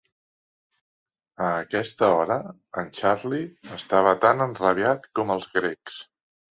A aquesta hora, en Charley estava tan enrabiat com els grecs.